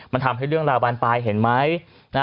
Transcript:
มันทำให้เรื่องราวบานปลายเห็นไหม